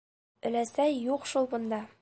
Өләсәй юҡ шул бында.